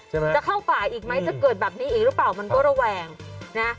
จะเข้าป่าอีกไหมจะเกิดแบบนี้อีกหรือเปล่ามันก็ระแวงนะ